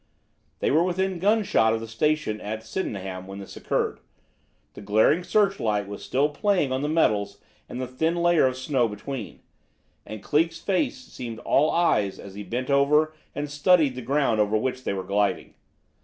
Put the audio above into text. They were within gunshot of the station at Sydenham when this occurred; the glaring searchlight was still playing on the metals and the thin layer of snow between, and Cleek's face seemed all eyes as he bent over and studied the ground over which they were gliding.